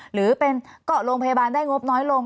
หรือเป็นเกาะโรงพยาบาลได้งบน้อยลง